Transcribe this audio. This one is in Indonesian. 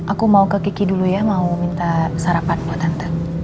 aku mau ke kiki dulu ya mau minta sarapan buat tante